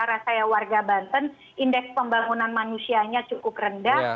rasanya warga banten indeks pembangunan manusianya cukup rendah